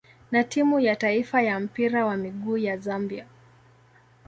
na timu ya taifa ya mpira wa miguu ya Zambia.